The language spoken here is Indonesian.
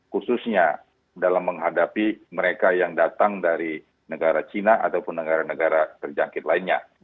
khususnya dalam menghadapi mereka yang datang dari negara cina ataupun negara negara terjangkit lainnya